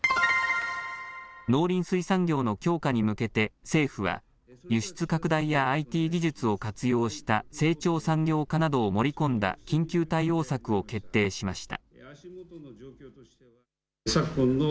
農林水産業の強化に向けて政府は輸出拡大やＩＴ技術を活用した成長産業化などを盛り込んだ緊急対応策を決定しました。